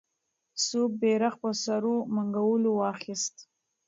څوک بیرغ په سرو منګولو واخیست؟